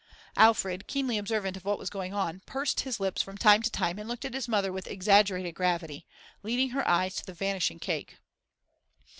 Alfred, keenly observant of what was going on, pursed his lips from time to time and looked at his mother with exaggerated gravity, leading her eyes to the vanishing cake.